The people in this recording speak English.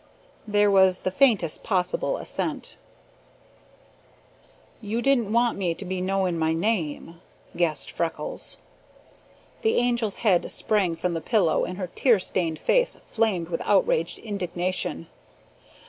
There was the faintest possible assent. "You didn't want me to be knowing me name," guessed Freckles. The Angel's head sprang from the pillow and her tear stained face flamed with outraged indignation.